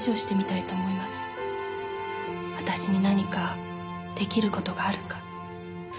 私に何か出来る事があるか。